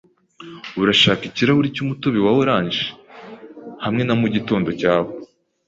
Urashaka ikirahuri cyumutobe wa orange hamwe na mugitondo cyawe?